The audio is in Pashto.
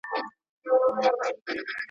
سل هنره ور بخښلي پاك سبحان دي